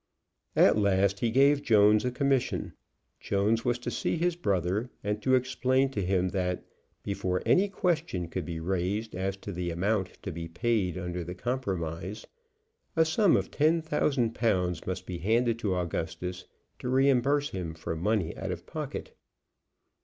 At last he gave Jones a commission. Jones was to see his brother and to explain to him that, before any question could be raised as to the amount to be paid under the compromise, a sum of ten thousand pounds must be handed to Augustus to reimburse him for money out of pocket.